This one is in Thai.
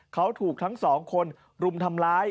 เขาถูกทั้งสองคนรุมทำร้าย